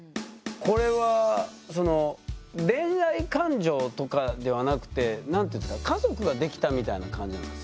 これはその恋愛感情とかではなくて何て言うんですか家族ができたみたいな感じなんですかサヤカさん。